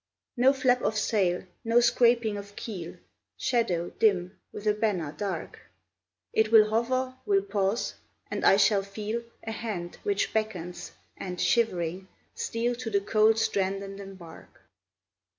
No flap of sail, no scraping of keel: Shadow, dim, with a banner dark, It will hover, will pause, and I shall feel A hand which beckons, and, shivering, steal To the cold strand and embark.